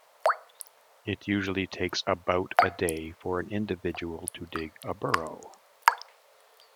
It usually takes about a day for an individual to dig a burrow.